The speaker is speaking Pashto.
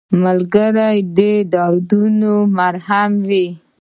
ملګری د دردونو مرهم وي